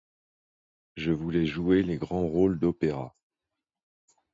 Je voulais jouer les grands rôles d'opéra.